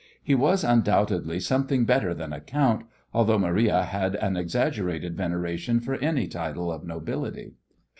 He was undoubtedly something better than a count, although Maria had an exaggerated veneration for any title of nobility.